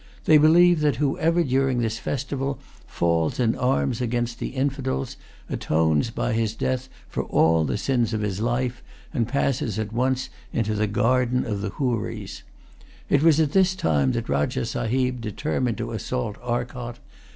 They believe that, whoever, during this festival, falls in arms against the infidels, atones by his death for all the sins of his life, and passes at once to the garden of the Houris. It was at this time that Rajah Sahib determined to assault Arcot.